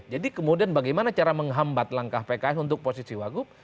jadi kemudian bagaimana cara menghambat langkah pks untuk posisi wagub